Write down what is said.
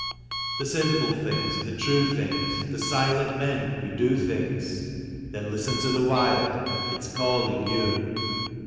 The simple things, the true things, the silent men who do things — Then listen to the wild — it's calling you.